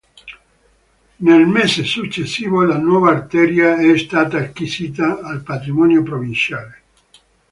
Nel mese successivo la nuova arteria è stata acquisita al patrimonio provinciale.